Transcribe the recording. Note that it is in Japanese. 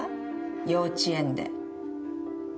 幼稚園で。